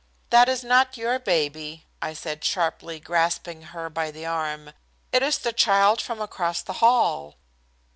"That is not your baby," I said sharply, grasping her by the arm. "It is the child from across the hall!"